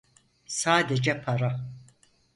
Sadece para.